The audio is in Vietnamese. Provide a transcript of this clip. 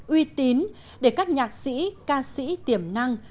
uy tín để các nhạc sĩ ca sĩ tiềm năng